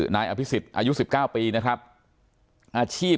นายอภิษฎอายุ๑๙ปีนะครับอาชีพ